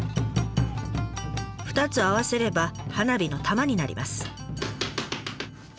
２つを合わせれば花火の玉になります。